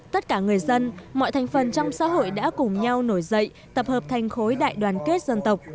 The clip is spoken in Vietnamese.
tất cả người dân mọi thành phần trong xã hội đã cùng nhau nổi dậy tập hợp thành khối đại đoàn kết dân tộc